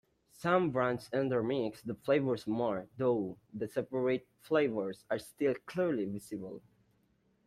Some brands intermix the flavors more, though the separate flavors are still clearly visible.